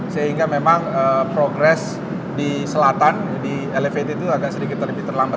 sehingga memang progres di selatan di elevated itu agak sedikit lebih terlambat